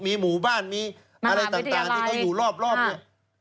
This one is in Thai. มีหมู่บ้านมีมหาวิทยาลัยอะไรต่างต่างที่เขาอยู่รอบรอบเนี้ย